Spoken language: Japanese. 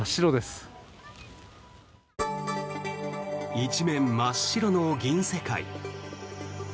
一面真っ白の銀世界。